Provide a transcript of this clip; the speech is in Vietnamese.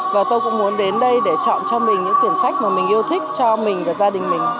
và tôi cũng muốn đến đây để chọn cho mình những quyển sách mà mình yêu thích cho mình và gia đình mình